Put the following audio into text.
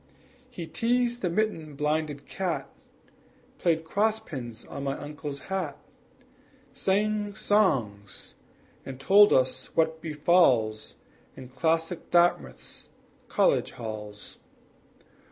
He teased the mitten blinded cat, Played cross pins on my uncle's hat, Sang songs, and told us what befalls In classic Dartmouth's college halls.